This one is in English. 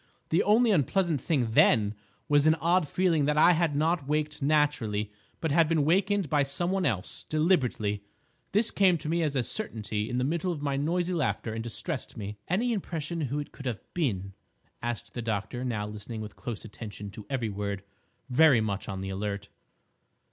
The only unpleasant thing then was an odd feeling that I had not waked naturally, but had been wakened by some one else—deliberately. This came to me as a certainty in the middle of my noisy laughter and distressed me." "Any impression who it could have been?" asked the doctor, now listening with close attention to every word, very much on the alert.